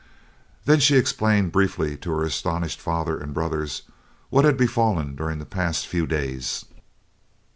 Then she explained briefly to her astonished father and brothers what had befallen during the past few days.